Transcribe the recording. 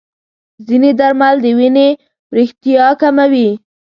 ځینې درمل د وینې وریښتیا کموي.